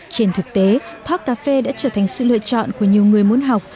trên thực tế thoát cà phê đã trở thành sự lựa chọn của nhiều người muốn học